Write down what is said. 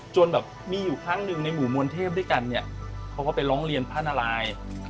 จนแบบมีอยู่ครั้งหนึ่งในหมู่มวลเทพด้วยกันเนี่ยเขาก็ไปร้องเรียนพระนาราย